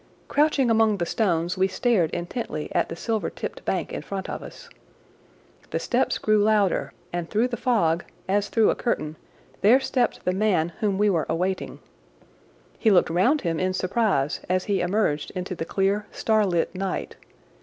Crouching among the stones we stared intently at the silver tipped bank in front of us. The steps grew louder, and through the fog, as through a curtain, there stepped the man whom we were awaiting. He looked round him in surprise as he emerged into the clear, starlit night.